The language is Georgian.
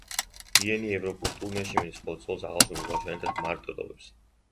იენი ევროპულ ტურნეში მიდის, ხოლო ცოლს ახალშობილ ბავშვთან ერთად მარტოს ტოვებს.